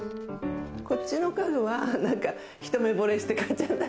こっちの家具は一目ぼれして買っちゃった。